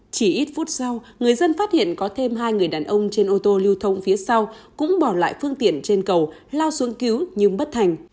chỉ ít phút sau người dân phát hiện có thêm hai người đàn ông trên ô tô lưu thông phía sau cũng bỏ lại phương tiện trên cầu lao xuống cứu nhưng bất thành